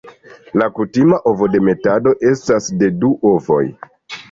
La kutima ovodemetado estas de du ovoj.